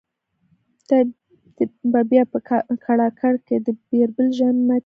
دا به بیا په کړاکړ کی د« بیربل» ژامی ماتیږی